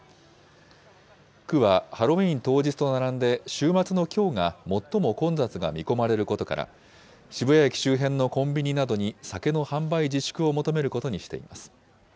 区はハロウィーン当日と並んで、週末のきょうが最も混雑が見込まれることから、渋谷駅周辺のコンビニなどに酒の販売自粛を求めることにしています。